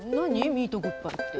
ミートグッバイって。